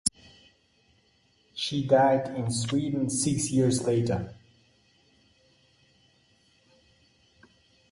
She died in Sweden six years later.